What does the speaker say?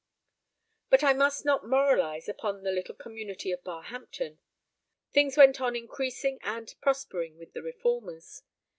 But I must not moralize upon the little community of Barhampton. Things went on increasing and prospering with the reformers.